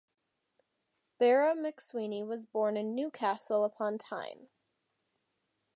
Barry MacSweeney was born in Newcastle upon Tyne.